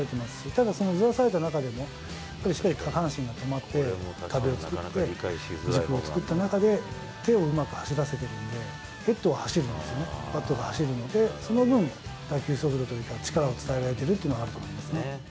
ただそのずらされた中でも、しっかり下半身が止まって、壁を作って軸を作った中で、手をうまく走らせているんで、ヘッドは走るんですよね、バットが走るので、その分、打球速度というか、力を伝えられてるというのはあると思いますね。